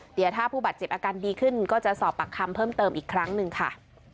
เดี๋ยวถ้าผู้บาดเจ็บอาการดีขึ้นก็จะสอบปากคำเพิ่มเติมอีกครั้งหนึ่งค่ะ